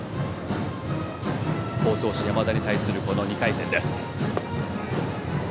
好投手・山田に対する２回戦です。